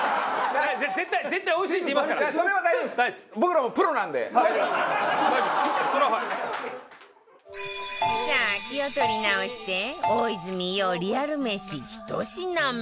さあ気を取り直して大泉洋リアルメシ１品目